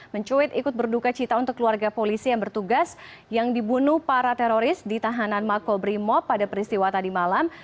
mencuit ikut berduka cita untuk keluarga polisi yang bertugas yang dibunuh para teroris di tahanan makobrimob pada peristiwa tadi malam